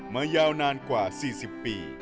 ยาวนานกว่า๔๐ปี